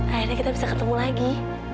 akhirnya kita bisa ketemu lagi